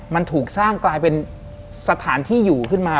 มันถูกสร้างกลายเป็นสถานที่อยู่ขึ้นมา